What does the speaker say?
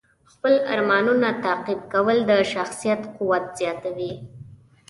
خپل ارمانونه تعقیب کول د شخصیت قوت زیاتوي.